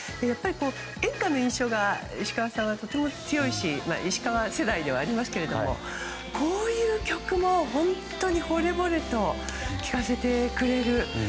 演歌の印象が石川さんは強いし石川世代ではありますがこういう曲も、本当にほれぼれと聴かせてくれる。